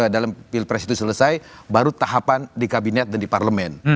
dalam pilpres itu selesai baru tahapan di kabinet dan di parlemen